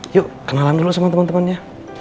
yuk kenalan dulu sama teman temannya